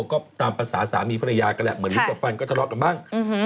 ก็ตามภาษาสามีภรรยากันแหละเหมือนลูกกับฟันก็ทะเลาะกันบ้าง